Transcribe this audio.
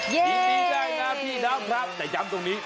ยินดีได้นะพี่น้ำครับแต่ย้ำตรงนี้